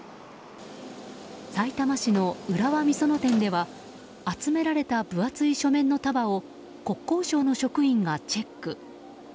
さいたま市の浦和美園店では集められた分厚い書面の束を国交省の職員がチェック。